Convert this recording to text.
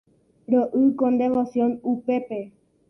Ro'y con devoción upépe.